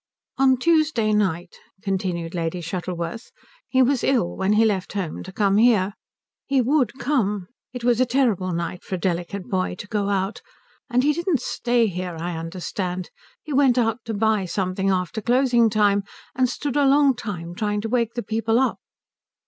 "On Tuesday night," continued Lady Shuttleworth, "he was ill when he left home to come here. He would come. It was a terrible night for a delicate boy to go out. And he didn't stay here, I understand. He went out to buy something after closing time, and stood a long while trying to wake the people up."